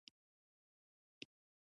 په افغانستان کې د بدخشان تاریخ اوږد دی.